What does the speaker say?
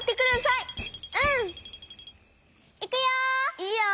いくよ！